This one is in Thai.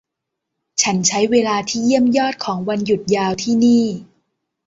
ฉันใช้เวลาที่เยี่ยมยอดของวันหยุดยาวที่นี่